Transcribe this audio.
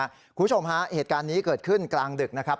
คุณผู้ชมฮะเหตุการณ์นี้เกิดขึ้นกลางดึกนะครับ